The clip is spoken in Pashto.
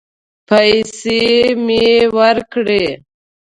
پيسې مې ورکړې.